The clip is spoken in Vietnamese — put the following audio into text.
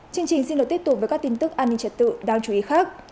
chương trình xin được tiếp tục với các tin tức an ninh trật tự đáng chú ý khác